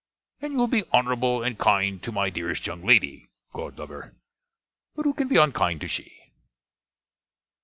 And you will be honnerable and kind to my dearest young lady, God love her. But who can be unkind to she?